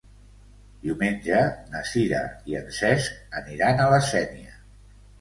Diumenge na Sira i en Cesc aniran a la Sénia.